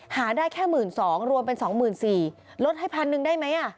หาได้แค่หมื่นสองรวมเป็นสองหมื่นสี่ลดให้พันหนึ่งได้ไหมอ่ะ